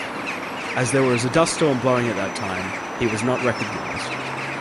As there was a dust storm blowing at that time, he was not recognized.